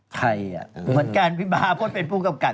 ใครอ่ะเหมือนกันพี่บ้าเพราะเป็นผู้กำกับ